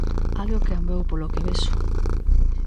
Algo cambiou, polo que vexo.